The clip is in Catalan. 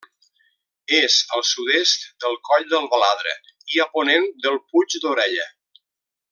És al sud-est del Coll del Baladre i a ponent del Puig d'Orella.